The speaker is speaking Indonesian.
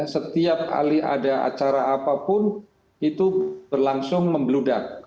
setiap kali ada acara apapun itu berlangsung membludak